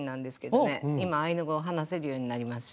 今アイヌ語を話せるようになりました。